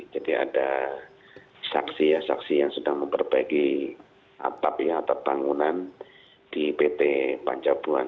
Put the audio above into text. jadi ada saksi ya saksi yang sedang memperbaiki atap ya atap bangunan di pt panjabuhan